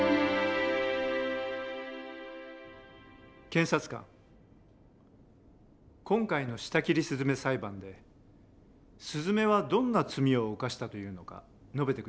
検察官今回の「舌切りすずめ」裁判ですずめはどんな罪を犯したというのか述べて下さい。